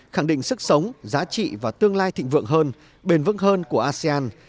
khẳng định sức sống giá trị và tương lai thịnh vượng hơn bền vững hơn của asean